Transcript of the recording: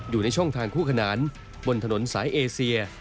อยู่ในช่องทางคู่ขนานบนถนนสายเอเซีย